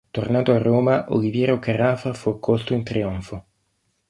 Tornato a Roma Oliviero Carafa fu accolto in trionfo.